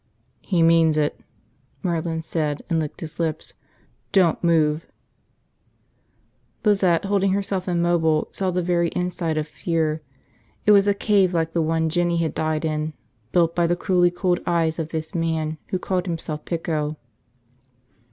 "He means it," Merlin said, and licked his lips. "Don't move." Lizette, holding herself immobile, saw the very inside of fear. It was a cave like the one Jinny had died in, built by the cruelly cold eyes of this man who called himself Pico.